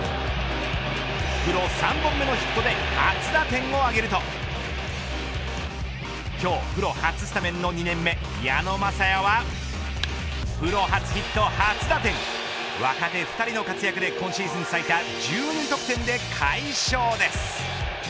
プロ３本目のヒットで初打点を挙げると今日プロ初スタメンの２年目矢野雅哉はプロ初ヒット初打点若手２人の活躍で今シーズン最多１２得点で快勝です。